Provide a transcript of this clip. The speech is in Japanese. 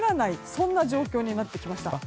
そんな状況になってきました。